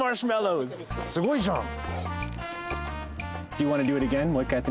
すごいじゃん！